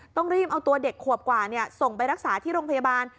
ต้องรีบเอาตัวเด็กขวบกว่าส่งไปรักษาที่โรงพยาบาล